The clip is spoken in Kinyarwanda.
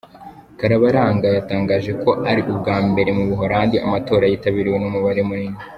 Karabaranga yatangaje ko ari ubwa mbere mu Buholandi amatora yitabiriwe n’umubare munini.